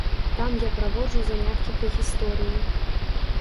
Там я праводжу заняткі па гісторыі.